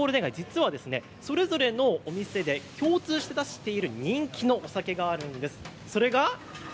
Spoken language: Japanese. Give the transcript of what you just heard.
このゴールデン街、実はそれぞれのお店で共通している人気のお酒があるんです。